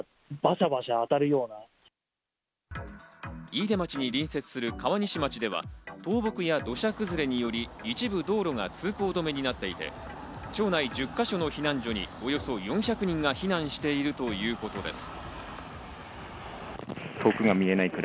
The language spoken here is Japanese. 飯豊町に隣接する川西町では倒木や土砂崩れにより一部道路が通行止めになっていて、町内１０か所の避難所におよそ４００人が避難しているということです。